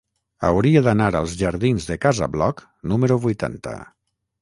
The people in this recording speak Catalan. Hauria d'anar als jardins de Casa Bloc número vuitanta.